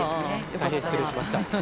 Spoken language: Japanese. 大変失礼いたしました。